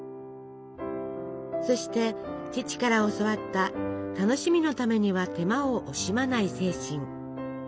そして父から教わった楽しみのためには手間を惜しまない精神。